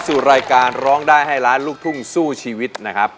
สู่รายการร้องได้ให้ล้านลูกทุ่งสู้ชีวิตนะครับ